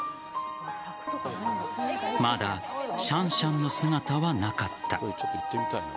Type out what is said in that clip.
まだシャンシャンの姿はなかった。